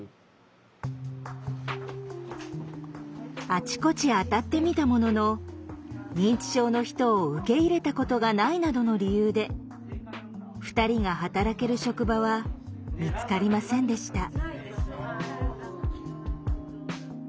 あちこちあたってみたものの認知症の人を受け入れたことがないなどの理由で２人が働ける職場は見つかりませんでした。